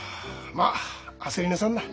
まっ焦りなさんな。